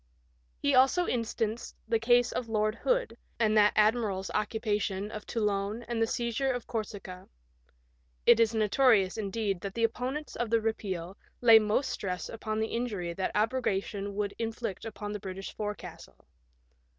He also instanced the case of Lord Hood, and that admiral's occupation of Toulon and seizure of Corsica. It is notorious, indeed, that the opponents of the repeal lay most stress upon the injury that abrogation would in flict upon the British forecastle.